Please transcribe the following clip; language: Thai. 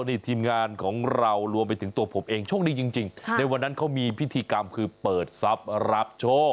นี่ทีมงานของเรารวมไปถึงตัวผมเองโชคดีจริงในวันนั้นเขามีพิธีกรรมคือเปิดทรัพย์รับโชค